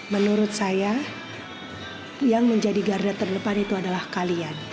menurut saya yang menjadi garda terdepan itu adalah kalian